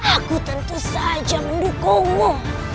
aku tentu saja mendukungmu